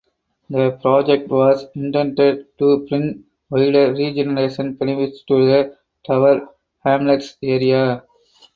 The project was intended to bring wider regeneration benefits to the Tower Hamlets area.